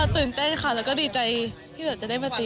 ตื่นเต้นค่ะแล้วก็ดีใจที่แบบจะได้มาตี